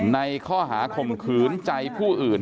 ในข้อหาข่มขืนใจผู้อื่น